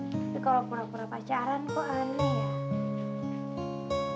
tapi kalau pura pura pacaran aku suka pura pura jadi ibu ibu